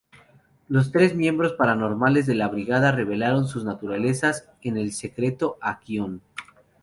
Los tres miembros "paranormales" de la brigada revelaron sus naturalezas en secreto a Kyon.